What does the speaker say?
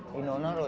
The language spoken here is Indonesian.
jadi yang merah